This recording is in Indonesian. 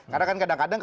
karena kan kadang kadang